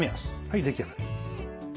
はい出来上がり。